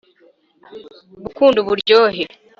Gukunda uburyohe